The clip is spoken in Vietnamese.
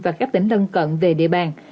và các tỉnh lân cận về địa bàn